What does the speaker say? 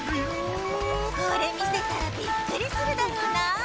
これみせたらビックリするだろうな。